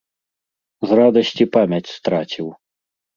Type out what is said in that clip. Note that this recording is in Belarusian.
З радасці памяць страціў.